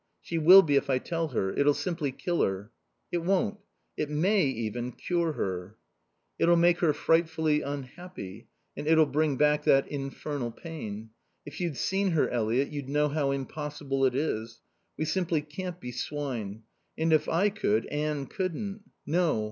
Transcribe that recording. "She will be if I tell her. It'll simply kill her." "It won't. It may even cure her." "It'll make her frightfully unhappy. And it'll bring back that infernal pain. If you'd seen her, Eliot, you'd know how impossible it is. We simply can't be swine. And if I could, Anne couldn't.... No.